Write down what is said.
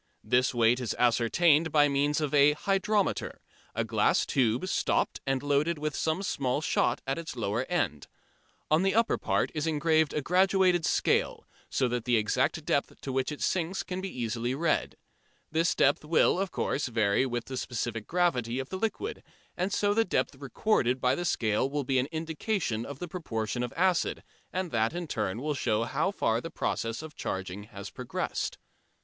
This weight is ascertained by means of a "hydrometer," a glass tube, stopped, and loaded with some small shot at its lower end. On the upper part is engraved a graduated scale, so that the exact depth to which it sinks can be easily read. This depth will, of course, vary with the specific gravity of the liquid, and so the depth recorded by the scale will be an indication of the proportion of acid, and that in turn will show how far the process of charging has progressed.